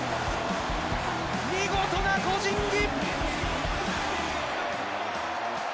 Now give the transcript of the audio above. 見事な個人技！